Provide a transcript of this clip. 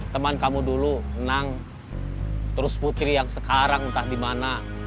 teman kamu dulu menang terus putri yang sekarang entah di mana